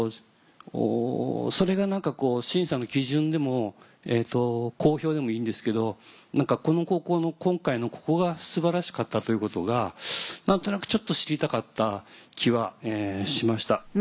それが審査の基準でも講評でもいいんですけどこの高校の今回のここが素晴らしかったということが何となくちょっと知りたかった気はしました。